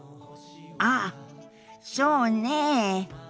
ああそうねえ。